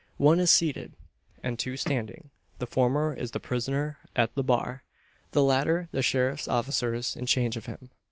One is seated, and two standing. The former is the prisoner at the bar; the latter the sheriff's officers in charge of him.